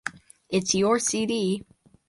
It’s your CD.